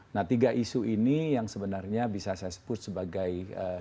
nah tiga isu ini yang sebenarnya bisa saya sebut sebagai